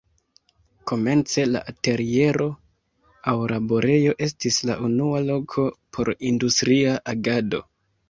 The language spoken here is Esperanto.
Komence la ateliero aŭ laborejo estis la unua loko por industria agado.